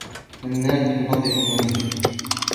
منّاد ينظّف المنزل.